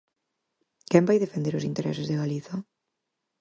¿Quen vai defender os intereses de Galiza?